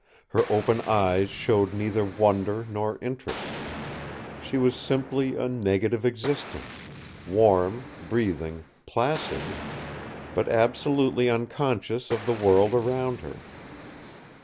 Her open eyes showed neither wonder nor interest. She was simply a negative existence, warm, breathing, placid; but absolutely unconscious of the world around her.